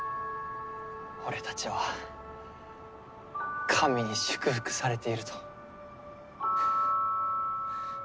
俺たちは神に祝福されていると。